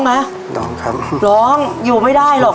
ร้องครับร้องอยู่ไม่ได้หรอก